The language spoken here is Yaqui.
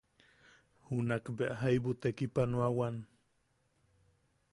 Junak bea jaibu jaibu tekipanoawan.